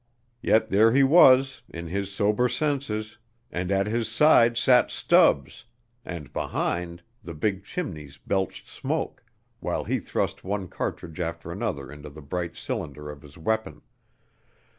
Yet here he was, in his sober senses, and at his side sat Stubbs, and, behind, the big chimneys belched smoke, while he thrust one cartridge after another into the bright cylinder of his weapon.